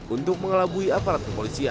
untuk mengelabui aparat kepolisian